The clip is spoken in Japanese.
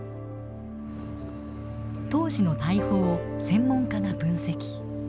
当時の大砲を専門家が分析。